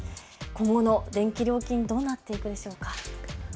今後の電気料金、どうなっていくんでしょうか。